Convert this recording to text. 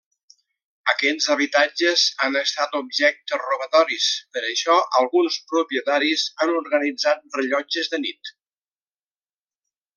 Aquests habitatges han estat objecte robatoris, per això alguns propietaris han organitzat rellotges de nit.